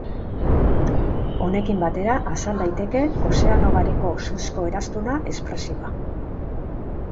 Honekin batera azal daiteke Ozeano Bareko Suzko Eraztuna espresioa.